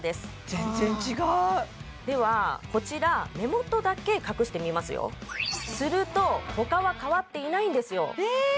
全然違うではこちら目元だけ隠してみますよすると他は変わっていないんですよええ！？